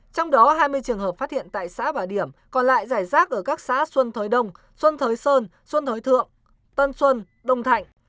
trong đó hai mươi trường hợp phát hiện tại xã bà điểm còn lại giải rác ở các xã xuân thới đông xuân thới sơn xuân thới thượng tân xuân đông thạnh